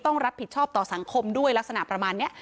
ต้องรับผิดชอบต่อสังคมด้วยลักษณะประมาณนี้